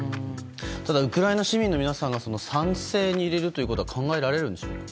ただウクライナ市民の皆さんが賛成に入れるということは考えられるんでしょうか？